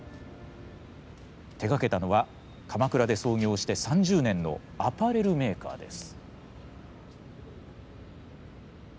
手がけたのは鎌倉で創業して３０年のアパレルメーカーです。